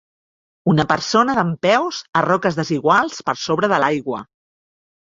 Una persona dempeus a roques desiguals per sobre de l'aigua.